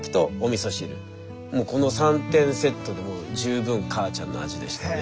もうこの３点セットでもう十分母ちゃんの味でしたね。